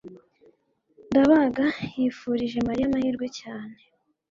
ndabaga yifurije mariya amahirwe cyane